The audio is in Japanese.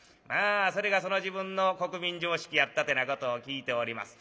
それがその時分の国民常識やったってなことを聞いております。